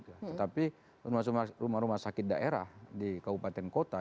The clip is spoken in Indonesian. tetapi rumah rumah sakit daerah di kabupaten kota